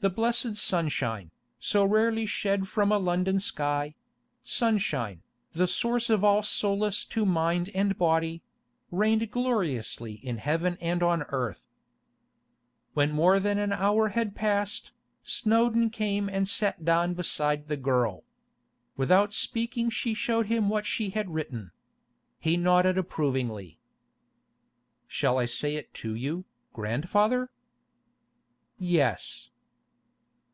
The blessed sunshine, so rarely shed from a London sky—sunshine, the source of all solace to mind and body—reigned gloriously in heaven and on earth. When more than an hour had passed, Snowdon came and sat down beside the girl. Without speaking she showed him what she had written. He nodded approvingly. 'Shall I say it to you, grandfather?' 'Yes.